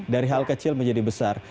dari hal kecil menjadi besar